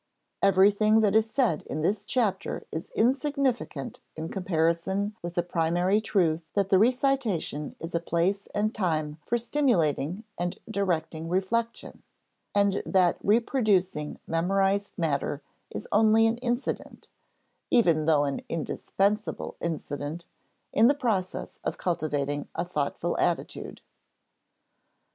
Everything that is said in this chapter is insignificant in comparison with the primary truth that the recitation is a place and time for stimulating and directing reflection, and that reproducing memorized matter is only an incident even though an indispensable incident in the process of cultivating a thoughtful attitude.